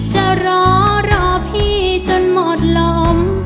จะรอรอพี่จนหมดลม